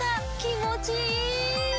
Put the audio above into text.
気持ちいい！